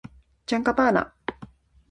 チャンカパーナ